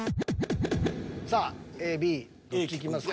さあＡＢＡ聞きますか？